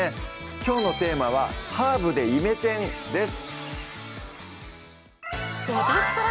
きょうのテーマは「ハーブでイメチェン」です